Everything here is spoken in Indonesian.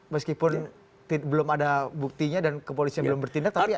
meskipun belum ada buktinya dan kepolisian belum bertindak tapi anda tahu